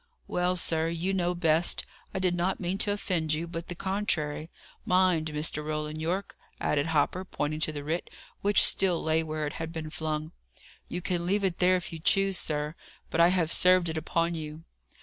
"Well, sir, you know best. I did not mean to offend you, but the contrary. Mind, Mr. Roland Yorke!" added Hopper, pointing to the writ, which still lay where it had been flung: "you can leave it there if you choose, sir, but I have served it upon you."